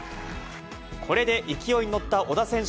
これで勢いに乗った小田選手。